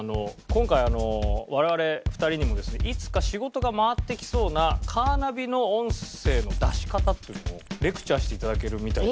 今回我々２人にもですねいつか仕事が回ってきそうなカーナビの音声の出し方っていうのをレクチャーして頂けるみたいです